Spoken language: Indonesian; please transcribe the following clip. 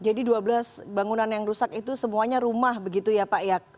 jadi dua belas bangunan yang rusak itu semuanya rumah begitu ya pak